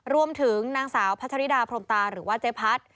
รวมถึงนางสาวพัชริดาพรมตาหรือว่าเจ๊พัด